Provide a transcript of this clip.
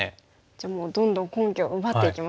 じゃあどんどん根拠を奪っていきますか。